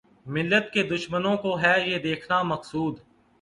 ملت کے دشمنوں کو ھے یہ دیکھنا مقصود